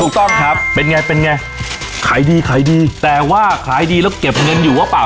ถูกต้องครับเป็นไงเป็นไงขายดีขายดีแต่ว่าขายดีแล้วเก็บเงินอยู่หรือเปล่า